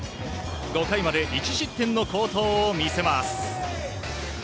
５回まで１失点の好投を見せます。